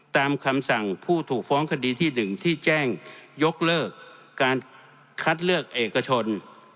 ตามคำสั่งผู้ถูกฟ้องคดีที่๑ที่แจ้งยกเลิกการคัดเลือกเอกชน